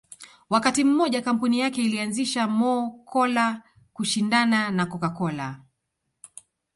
Wakati mmoja kampuni yake ilianzisha Mo Cola kushindana na Coca Cola